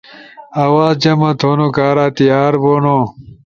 آواز جمع تھونو کارا تیار بھونو؟